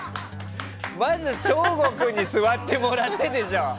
まず昇吾君に座ってもらってでしょ。